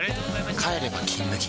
帰れば「金麦」